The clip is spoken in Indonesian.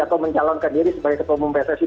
atau mencalonkan diri sebagai ketua umum pssi